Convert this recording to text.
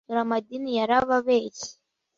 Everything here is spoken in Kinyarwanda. dore amadini yarababeshye